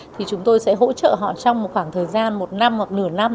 thì chúng tôi sẽ hỗ trợ họ trong một khoảng thời gian một năm hoặc nửa năm